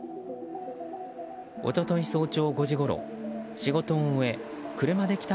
一昨日早朝５時ごろ、仕事を終え車で帰宅